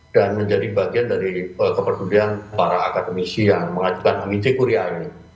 dan menjadi bagian dari keperdudian para akademisi yang mengajukan amici kuria ini